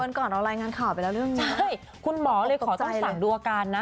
ก่อนเรารายงานข่าวไปแล้วเรื่องนี้ใช่คุณหมอเลยขอต้องสั่งดูอาการนะ